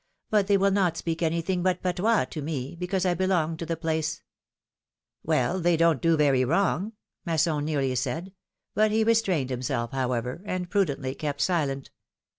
'^But they will not speak anything but patois to me, because I belong to the place !" ^^Well, they don't do very wrong!" Masson nearly said; but he restrained himself, however, and prudently kept silent.